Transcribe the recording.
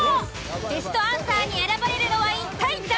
ベストアンサーに選ばれるのは一体誰？